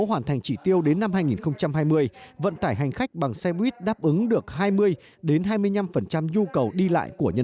hoàn thành trị tiêu đến năm hai nghìn hai mươi vận tải hành khách bằng xe buýt đáp ứng được hai mươi đến hai mươi năm phần